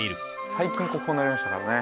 最近国宝になりましたからね。